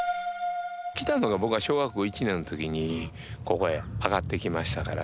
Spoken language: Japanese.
来たのが僕が小学校１年の時にここへ上がってきましたからね。